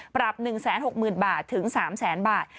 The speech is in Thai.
ปรับ๑๖๐๐๐๐บาทถึง๓๐๐๐๐๐บาท